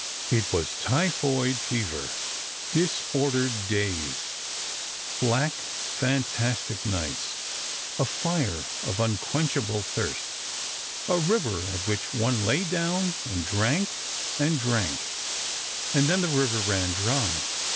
It was typhoid fever. Disordered days ... black, fantastic nights, a fire of unquenchable thirst ... a river at which one lay down and drank and drank ... and then the river ran dry